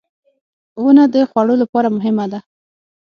• ونه د خوړو لپاره مهمه ده.